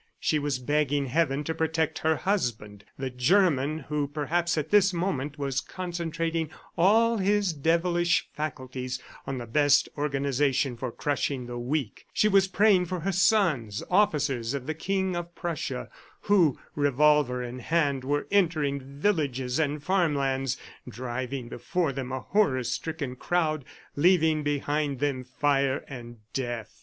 She was begging heaven to protect her husband, the German who perhaps at this moment was concentrating all his devilish faculties on the best organization for crushing the weak; she was praying for her sons, officers of the King of Prussia, who revolver in hand were entering villages and farmlands, driving before them a horror stricken crowd, leaving behind them fire and death.